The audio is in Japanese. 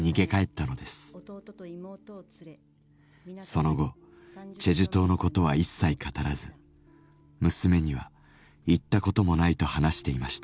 その後チェジュ島のことは一切語らず娘には「行ったこともない」と話していました。